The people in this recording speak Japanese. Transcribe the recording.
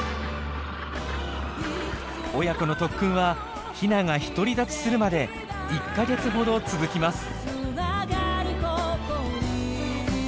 親子の特訓はヒナが独り立ちするまで１か月ほど続きます。